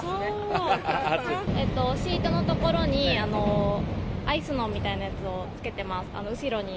シートの所に、アイスノンみたいなやつをつけてます、後ろに。